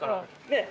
ねえ！